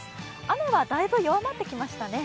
雨はだいぶ弱まってきましたね。